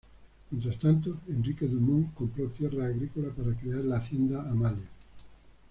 Mientras tanto, Henrique Dumont compró tierras agrícolas para crear la hacienda Amalia.